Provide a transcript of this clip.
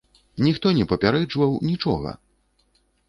Ніхто не папярэджваў, нічога!